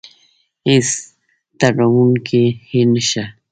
هېڅ تروړونکی يې نشته.